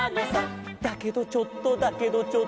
「だけどちょっとだけどちょっと」